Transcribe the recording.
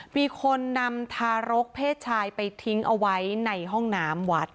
มีคนนำทารกเพศชายไปทิ้งเอาไว้ในห้องน้ำวัด